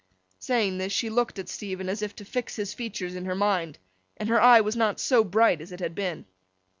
Saying this, she looked at Stephen as if to fix his features in her mind, and her eye was not so bright as it had been.